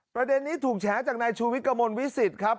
ประเด็นนี้ถูกแฉจากนายชูวิทย์กระมวลวิสิตครับ